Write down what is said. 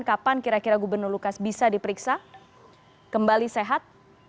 kapan kira kira gubernur lukas bisa diperiksa kembali sehat